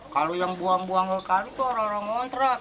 kalau yang buang buang ke kali itu orang orang ngontrak